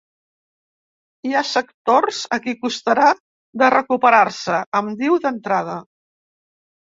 Hi ha sectors a qui costarà de recuperar-se, em diu d’entrada.